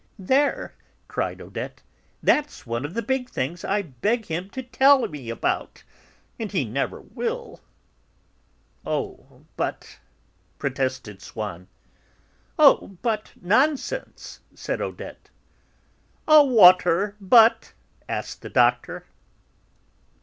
"There," cried Odette, "that's one of the big things I beg him to tell me about, and he never will." "Oh, but..." protested Swann. "Oh, but nonsense!" said Odette. "A water butt?" asked the Doctor.